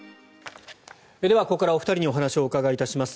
ここからは、お二人にお話をお伺いいたします。